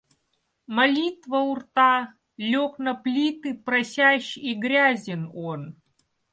Молитва у рта, — лег на плиты просящ и грязен он.